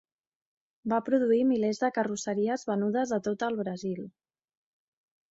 Va produir milers de carrosseries venudes a tot el Brasil.